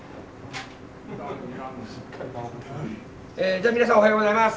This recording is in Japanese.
じゃあ皆さんおはようございます。